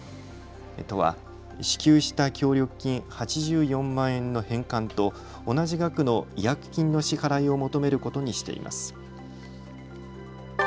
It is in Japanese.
都は支給した協力金８４万円の返還と、同じ額の違約金の支払いを求めることにしています。